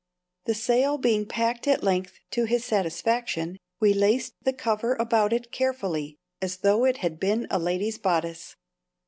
The sail being packed at length to his satisfaction, we laced the cover about it carefully as though it had been a lady's bodice.